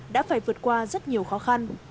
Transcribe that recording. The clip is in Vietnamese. đã phải vượt qua rất nhiều khó khăn